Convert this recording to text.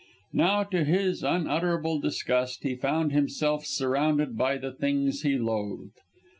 Now, to his unutterable disgust, he found himself surrounded by the things he loathed.